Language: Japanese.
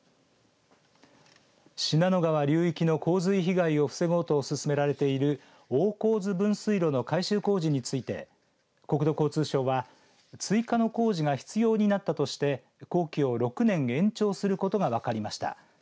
信濃川流域の洪水被害を防ごうと進められている大河津分水路の改修工事について国土交通省は、追加の工事が必要になったとして工期を６年延長することが分かりました。